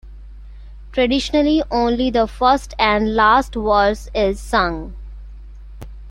Traditionally only the first and last verse is sung.